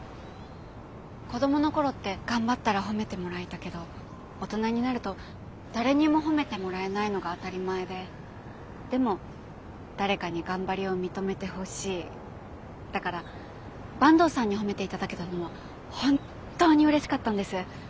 子どもの頃って頑張ったら褒めてもらえたけど大人になると誰にも褒めてもらえないのが当たり前ででも誰かに頑張りを認めてほしいだから坂東さんに褒めて頂けたのは本当にうれしかったんです。